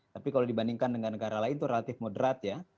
tapi kalau dibandingkan dengan negara lain itu relatif moderat ya